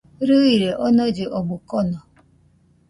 Rɨire onollɨ omɨ kono